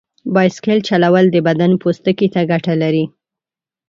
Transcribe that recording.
بایسکل چلول د بدن پوستکي ته ګټه لري.